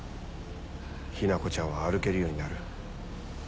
ヒナコちゃんは歩けるようになる。